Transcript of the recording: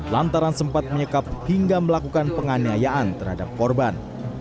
lantaran sempat menyekap hingga melakukan penganiayaan terhadap korban